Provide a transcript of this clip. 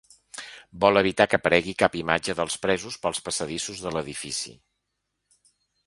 Vol evitar que aparegui cap imatge dels presos pels passadissos de l’edifici.